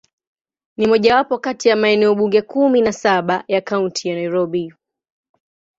Ni mojawapo kati ya maeneo bunge kumi na saba ya Kaunti ya Nairobi.